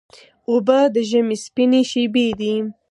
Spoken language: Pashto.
اوبه د ژمي سپینې شېبې دي.